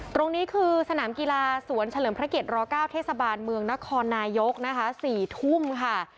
ตรงนี้คือสนามกีฬาสวนเฉลิมพระเกียร๙เทศบาลเมืองนครนายกนะคะ๔ทุ่มค่ะ